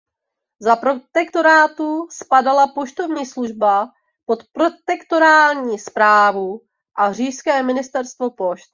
Za Protektorátu spadala poštovní služba pod protektorátní správu a říšské ministerstvo pošt.